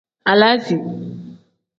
Alaazi.